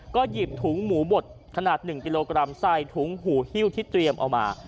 ก็หยิบถุงหมูบดขนาด๑กิโลกรัมใส่ถุงหูฮิ้วที่เตรียมเอามา